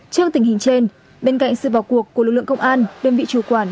trước tình hình trên bên cạnh sự vào cuộc của lực lượng công an đơn vị chủ quản